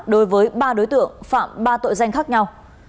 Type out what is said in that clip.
đối với ba đối tượng phạm ba tội danh khác nhau